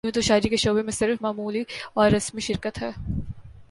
یوں تو شاعری کے شعبے میں صرف معمولی اور رسمی شرکت ہے